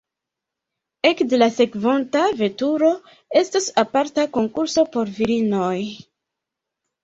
Ekde la sekvonta veturo estos aparta konkurso por virinoj.